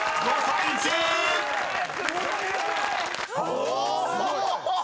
お！